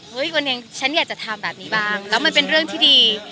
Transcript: วันหนึ่งฉันอยากจะทำแบบนี้บ้างแล้วมันเป็นเรื่องที่ดี